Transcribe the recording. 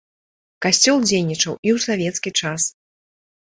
Касцёл дзейнічаў і ў савецкі час.